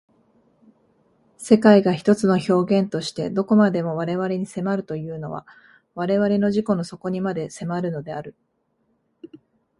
世界が一つの表現として何処までも我々に迫るというのは我々の自己の底にまで迫るのである。